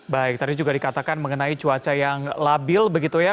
baik tadi juga dikatakan mengenai cuaca yang labil begitu ya